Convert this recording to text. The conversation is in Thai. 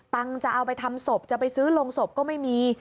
จะเอาไปทำศพจะไปซื้อโรงศพก็ไม่มี